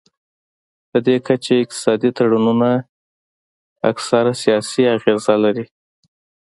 پدې کچه اقتصادي تړونونه اکثره سیاسي انګیزه لري